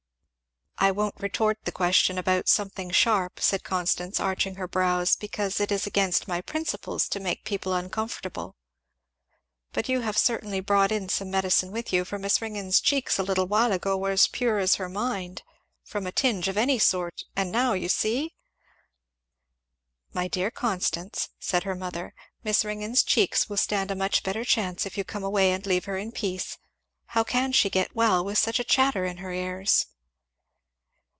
"I won't retort the question about 'something sharp,'" said Constance arching her eyebrows, "because it is against my principles to make people uncomfortable; but you have certainly brought in some medicine with you, for Miss Ringgan's cheeks a little while ago were as pure as her mind from a tinge of any sort and now, you see " "My dear Constance," said her mother, "Miss Ringgan's cheeks will stand a much better chance if you come away and leave her in peace. How can she get well with such a chatter in her ears."